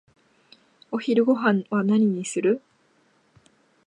お昼ごはんは何にする？